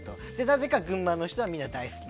なぜか群馬の人はみんな大好き。